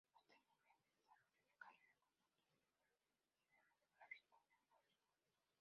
Posterior mente desarrolló una carrera como actor y director cinematográfico en Hollywood.